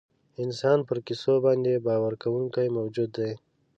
انسان پر کیسو باندې باور کوونکی موجود دی.